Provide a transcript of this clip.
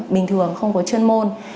bình thường không có chuyên môn